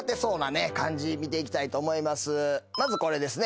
まずこれですね。